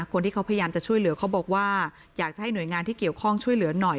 คนที่เขาพยายามจะช่วยเหลือเขาบอกว่าอยากจะให้หน่วยงานที่เกี่ยวข้องช่วยเหลือหน่อย